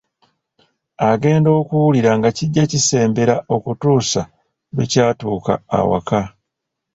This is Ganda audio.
Agenda okuwulira nga kijja kisembera okutuusa, lwe kyatuuka awaka.